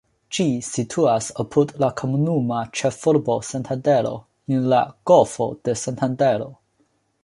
Ĝi situas apud la komunuma ĉefurbo Santandero, en la Golfo de Santandero.